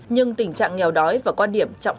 nhưng tình trạng nghèo đói và quan điểm trọng